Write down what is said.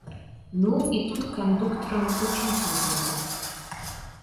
Ну, и тут кондуктором очень трудно быть!